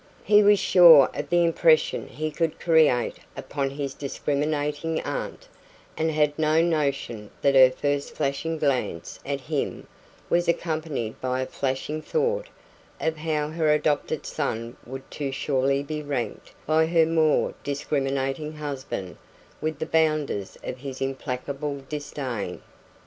He was sure of the impression he would create upon his discriminating aunt, and had no notion that her first flashing glance at him was accompanied by a flashing thought of how her adopted son would too surely be ranked by her more discriminating husband with the "bounders" of his implacable disdain.